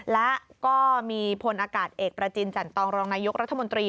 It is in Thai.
และก็มีพลอากาศเอกประจินจันตองรองนายกรัฐมนตรี